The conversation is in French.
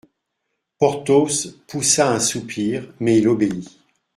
Porthos poussa un soupir, mais il obéit.